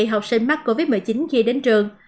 học sinh mắc covid một mươi chín khi đến trường